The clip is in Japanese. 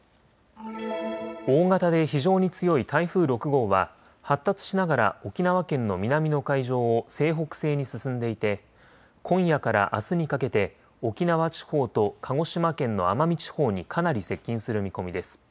大型で非常に強い台風６号は発達しながら沖縄県の南の海上を西北西に進んでいて今夜からあすにかけて沖縄地方と鹿児島県の奄美地方にかなり接近する見込みです。